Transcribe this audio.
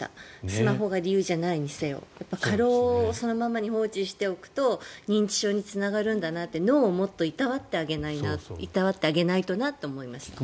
スマホが理由じゃないにせよ過労をそのまま放置しておくと認知症につながるんだなって脳をもっといたわってあげないとなと思いました。